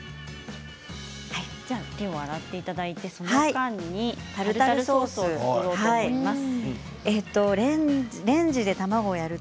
手を洗っていただいてその間にタルタルソースを作っていただきます。